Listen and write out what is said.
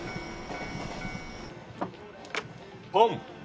ポン。